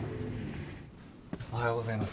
おはようございます。